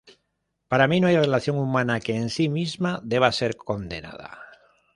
Para mí no hay relación humana que en sí misma deba ser condenada.